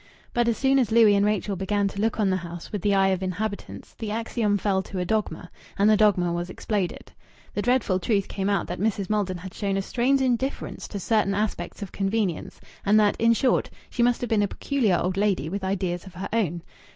But as soon as Louis and Rachel began to look on the house with the eye of inhabitants, the axiom fell to a dogma, and the dogma was exploded. The dreadful truth came out that Mrs. Maldon had shown a strange indifference to certain aspects of convenience, and that, in short, she must have been a peculiar old lady with ideas of her own.